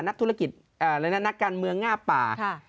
นักธุรกิจนักการเมืองง่าป่า